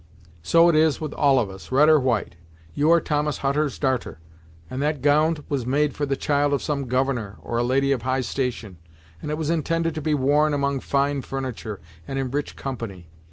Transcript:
So it is with all of us, red or white. You are Thomas Hutter's darter, and that gownd was made for the child of some governor, or a lady of high station, and it was intended to be worn among fine furniture, and in rich company.